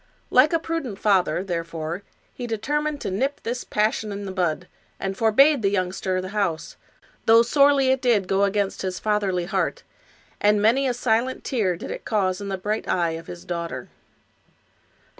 Like a prudent father, therefore, he determined to nip this passion in the bud, and forbade the youngster the house, though sorely did it go against his fatherly heart, and many a silent tear did it cause in the bright eye of his daughter.